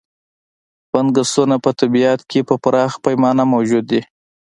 فنګسونه په طبیعت کې په پراخه پیمانه موجود دي.